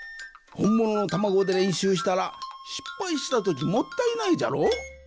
ほんもののたまごでれんしゅうしたらしっぱいしたときもったいないじゃろ？